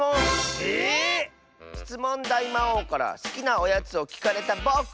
ええっ⁉しつもんだいまおうからすきなおやつをきかれたぼく。